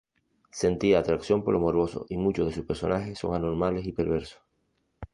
Sentía atracción por lo morboso y muchos de sus personajes son anormales y perversos.